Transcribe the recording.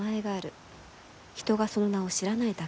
人がその名を知らないだけだと。